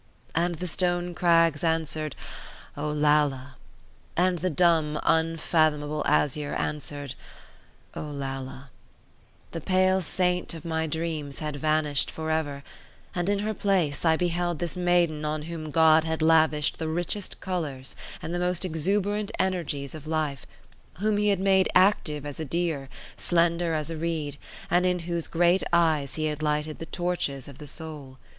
And the stone crags answered, Olalla! and the dumb, unfathomable azure answered, Olalla! The pale saint of my dreams had vanished for ever; and in her place I beheld this maiden on whom God had lavished the richest colours and the most exuberant energies of life, whom he had made active as a deer, slender as a reed, and in whose great eyes he had lighted the torches of the soul.